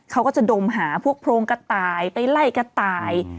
เขาก็จะดมหาพวกโพรงกระต่ายไปไล่กระต่าย